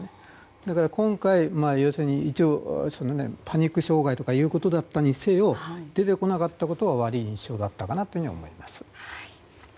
だから今回、パニック障害とかいうことだったにせよ出てこなかったことは悪い印象だったかと思います。